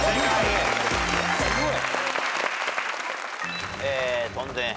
すごい。